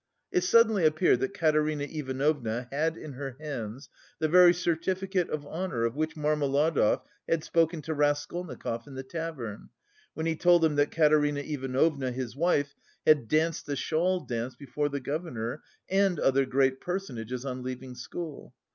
It suddenly appeared that Katerina Ivanovna had in her hands the very certificate of honour of which Marmeladov had spoken to Raskolnikov in the tavern, when he told him that Katerina Ivanovna, his wife, had danced the shawl dance before the governor and other great personages on leaving school.